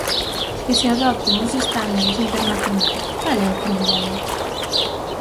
Que se adopten os estándares internacionais, ¿cal é o problema?